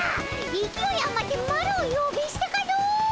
いきおいあまってマロをよびすてかの！？